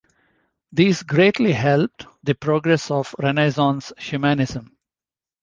These greatly helped the progress of Renaissance humanism.